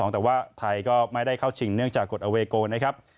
แต่ว่าไทยก็ไม่ได้เข้าชิงเนื่องจากกฎอเวโกนะครับ